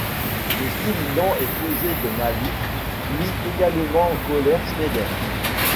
Le style lent et posé de Malick mit également en colère Schneider.